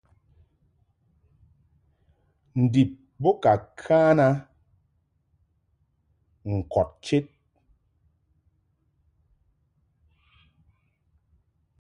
Ndib bo ka kan a ŋkɔd chəd.